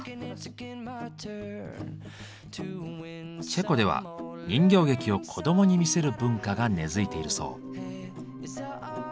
チェコでは人形劇を子どもに見せる文化が根付いているそう。